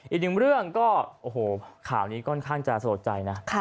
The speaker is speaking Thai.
อีกหนึ่งเรื่องก็โอ้โหข่าวนี้ค่อนข้างจะสลดใจนะ